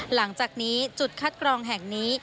หลังจากนี้จุดคัดกรองแห่งนี้